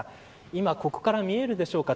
今、ここから見えるでしょうか。